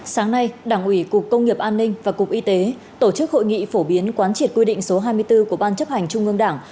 sáng nay đảng ủy cục công nghiệp an ninh và cục y tế tổ chức hội nghị phổ biến quán triệt quy định số hai mươi bốn của ban chấp hành trung ương đảng